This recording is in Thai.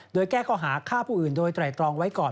โดยแก้ข้อหาฆ่าผู้อื่นโดยไตรตรองไว้ก่อน